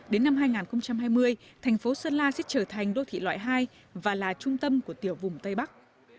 đến năm hai nghìn hai mươi thành phố sơn la sẽ trở thành đô thị loại hai và là trung tâm của tiểu vùng tây bắc